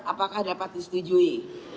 apakah dapat disetujui